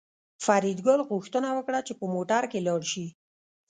فریدګل غوښتنه وکړه چې په موټر کې لاړ شي